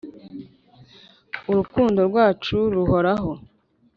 urukundo rwacu ruhoraho.